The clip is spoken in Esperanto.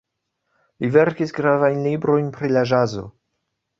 Li verkis gravajn librojn pri la ĵazo.